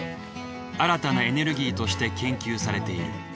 新たなエネルギーとして研究されている。